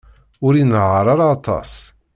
Ur inehheṛ ara aṭas.